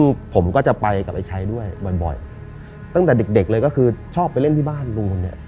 แล้วผมก็จะไปกับไอ้ชัยด้วยบ่อยตั้งแต่เด็กเลยก็คือชอบไปเล่นที่บ้านลูงคนนี้